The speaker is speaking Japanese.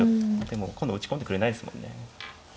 でも今度打ち込んでくれないですもんね。